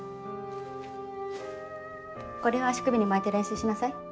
これを足首に巻いて練習しなさい。